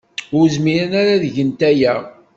Ur zmiren ad gent aya.